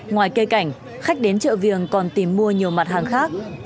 ngoài cây cảnh khách đến chợ viềng còn tìm mua nhiều mặt hàng khác